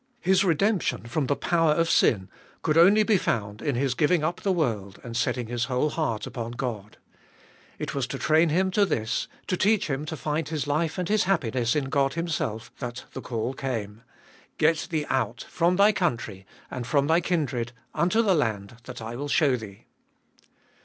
His redemption from the power of sin could only be found in his giving up the world and setting his whole heart upon God. It was to train him to this, to teach him to find his life and his happiness in God Himself, that the call came : Get thee out from thy country, and from thy kindred, unto the land that I will show thee.